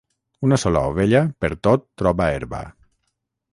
Una sola ovella pertot troba herba.